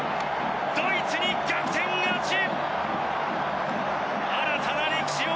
ドイツに逆転勝ち。